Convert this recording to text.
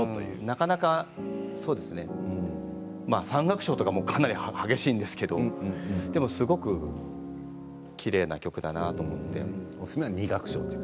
３楽章とかかなり激しいんですけれどもでもすごくきれいな曲だなと思って。